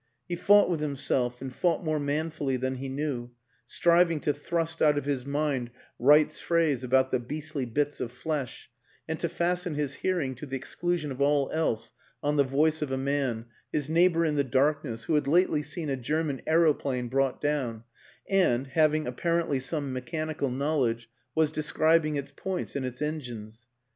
He fought with himself and fought more manfully than he knew; striving to thrust out of his mind Wright's phrase about the " beastly bits of flesh," and to fasten his hearing, to the exclusion of all else, on the voice of a man, his neighbor in the darkness, who had lately seen a German aeroplane brought down, and, having apparently some mechanical knowledge, was de scribing its points and its engines.